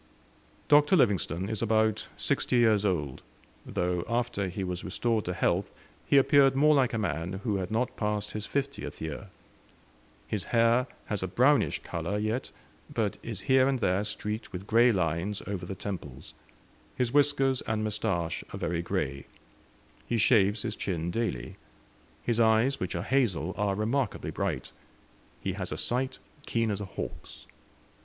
Dr. Livingstone is about sixty years old, though after he was restored to health he appeared more like a man who had not passed his fiftieth year. His hair has a brownish colour yet, but is here and there streaked with grey lines over the temples; his whiskers and moustache are very grey. He shaves his chin daily. His eyes, which are hazel, are remarkably bright; he has a sight keen as a hawk's.